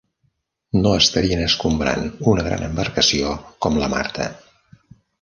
No estarien escombrant una gran embarcació com la Martha.